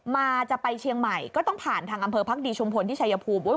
มาจะไปเชียงใหม่ก็ต้องผ่านทางอำเภอพักดีชุมพลที่ชายภูมิ